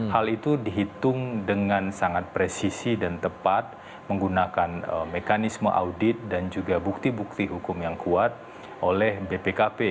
hal itu dihitung dengan sangat presisi dan tepat menggunakan mekanisme audit dan juga bukti bukti hukum yang kuat oleh bpkp